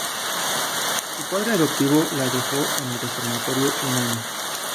Su padre adoptivo la dejó en el reformatorio un año.